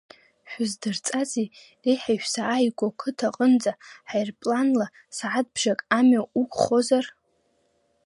Шәыздырҵазеи, реиҳа ишәзааигәоу ақыҭа аҟынӡа ҳаирпланла сааҭбжак амҩа уқәхозар?